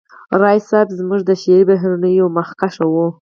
راز صيب زموږ د شعري بهیرونو یو مخکښ و